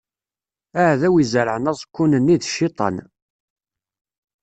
Aɛdaw i izerɛen aẓekkun-nni, d Cciṭan.